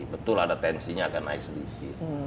betul ada tensinya akan naik sedikit